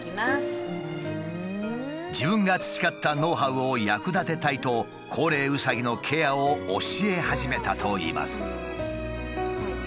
自分が培ったノウハウを役立てたいと高齢うさぎのケアを教え始めたといいます。